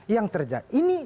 yang terjangkau ini